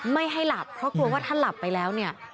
ไม่ให้หลับเพราะกลัวว่าถ้าหลับไปแล้วเนี่ย